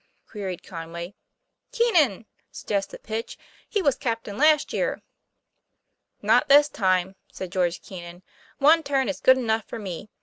queried Conway. "Keenan!" suggested Pitch. " He was captain last year." "Not this time," said George Keenan. 'One turn is good enough for me.